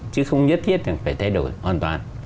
chứ không nhất thiết phải thay đổi hoàn toàn